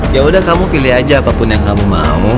yaudah kamu pilih aja apapun yang kamu mau